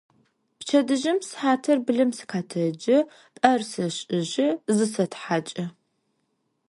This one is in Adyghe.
Pçedıjım sıhatır blım sıkhetecı, p'er seş'ıjı, zısethaç'ı.